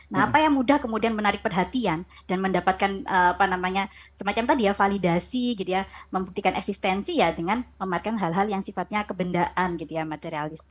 nah apa yang mudah kemudian menarik perhatian dan mendapatkan apa namanya semacam tadi ya validasi gitu ya membuktikan eksistensi ya dengan mematikan hal hal yang sifatnya kebendaan gitu ya materialisme